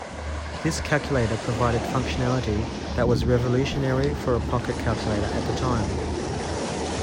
This calculator provided functionality that was revolutionary for a pocket calculator at that time.